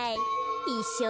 いっしょう